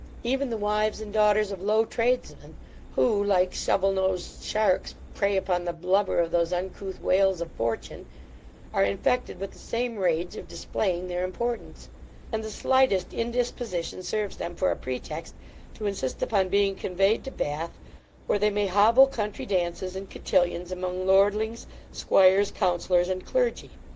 Even the wives and daughters of low tradesmen, who, like shovel nosed sharks, prey upon the blubber of those uncouth whales of fortune, are infected with the same rage of displaying their importance; and the slightest indisposition serves them for a pretext to insist upon being conveyed to Bath, where they may hobble country dances and cotillons among lordlings, squires, counsellors, and clergy.